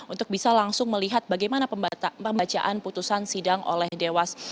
untuk bisa langsung melihat bagaimana pembacaan putusan sidang oleh dewas